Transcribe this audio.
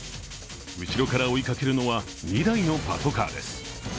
後ろから追いかけるのは、２台のパトカーです。